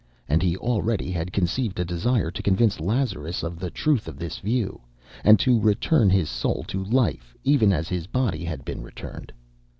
And he already had conceived a desire to convince Lazarus of the truth of this view and to return his soul to life even as his body had been returned.